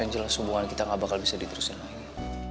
yang jelas hubungan kita gak bakal bisa diterusin lagi